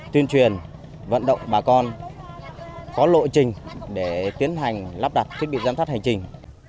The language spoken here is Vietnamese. tuyên truyền vận động bà con có lộ trình để tiến hành lắp đặt thiết bị giám sát hành trình